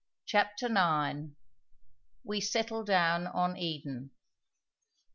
CHAPTER NINE. WE SETTLE DOWN ON EDEN.